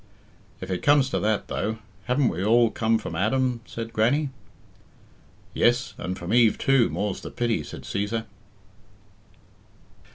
"If it comes to that, though, haven't we all come from Adam?" said Grannie. "Yes; and from Eve too, more's the pity," said Cæsar.